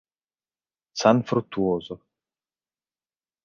San Fruttuoso